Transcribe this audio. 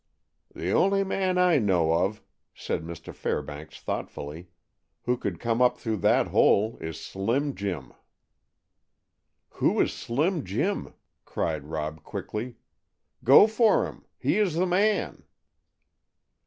"The only man I know of," said Mr. Fairbanks thoughtfully, "who could come up through that hole is Slim Jim." "Who is Slim Jim?" cried Rob quickly. "Go for him; he is the man!"